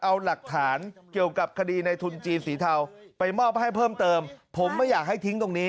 เอาหลักฐานเกี่ยวกับคดีในทุนจีนสีเทาไปมอบให้เพิ่มเติมผมไม่อยากให้ทิ้งตรงนี้